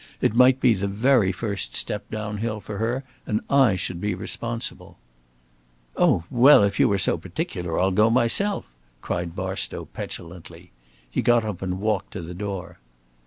It might be the very first step downhill for her, and I should be responsible." "Oh well, if you are so particular, I'll go myself," cried Barstow, petulantly. He got up and walked to the door.